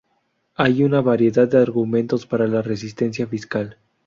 Hay una variedad de argumentos para la resistencia fiscal.